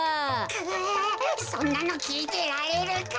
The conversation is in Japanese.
そんなのきいてられるか。